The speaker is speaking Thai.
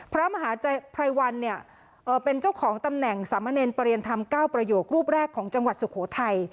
พระมหาภัยวันเนี่ยเป็นเจ้าของตำแหน่งสามเณรประเรียนธรรม๙ประโยครูปแรกของจังหวัดสุโขทัย